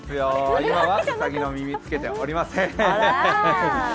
今はうさぎの耳、つけておりません